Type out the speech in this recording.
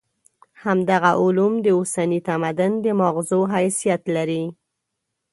همدغه علوم د اوسني تمدن د ماغزو حیثیت لري.